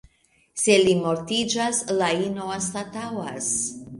Se li mortiĝas, la ino anstataŭas.